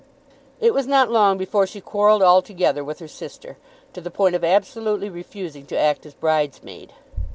It was not long before she quarrelled altogether with her sister, to the point of absolutely refusing to act as bridesmaid.